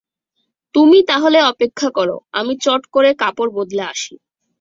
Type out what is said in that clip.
তুমি তাহলে অপেক্ষা কর-আমি চট করে কাপড় বদলে আসি।